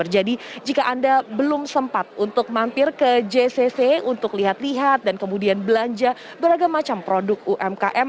jadi jika anda belum sempat untuk mampir ke jcc untuk lihat lihat dan kemudian belanja beragam macam produk umkm